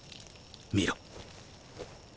見ろ。